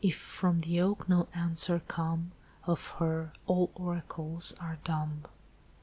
If from the oak no answer come Of her, all oracles are dumb!